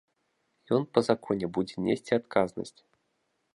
Ён па законе будзе несці адказнасць.